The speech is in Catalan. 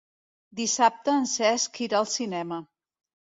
Dissabte en Cesc irà al cinema.